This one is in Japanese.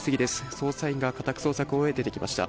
捜査員が家宅捜索を終えて出てきました。